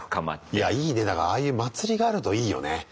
いやいいねだからああいう祭りがあるといいよね。